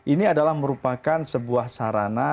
ini adalah merupakan sebuah sarana